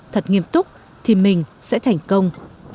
thật nghiêm túc thì mình sẽ thành công